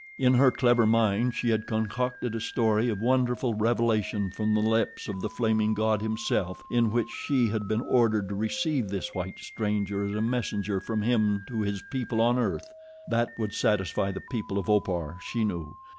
In her clever mind she had concocted a story of wonderful revelation from the lips of the flaming god himself, in which she had been ordered to receive this white stranger as a messenger from him to his people on earth. That would satisfy the people of Opar, she knew.